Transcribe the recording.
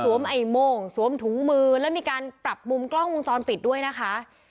ไอ้โม่งสวมถุงมือแล้วมีการปรับมุมกล้องวงจรปิดด้วยนะคะ